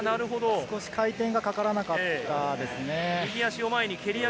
少し回転がかからなかったですね。